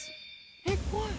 えっ怖い。